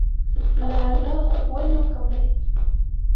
لاله ولې عمر کم لري؟